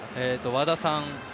和田さん。